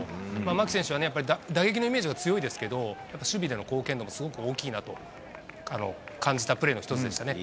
牧選手はやっぱり打撃のイメージが強いですけど、やっぱ守備での貢献度もすごく大きいなと感じたプレーの一つでしたね。